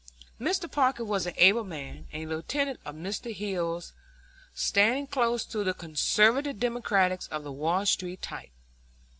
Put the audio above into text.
Mr. Parker was an able man, a lieutenant of Mr. Hill's, standing close to the conservative Democrats of the Wall Street type.